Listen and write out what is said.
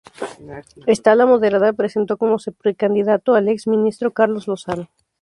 Esta ala moderada presentó como su precandidato al ex ministro Carlos Lozano.